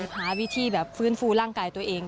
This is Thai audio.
หาวิธีแบบฟื้นฟูร่างกายตัวเอง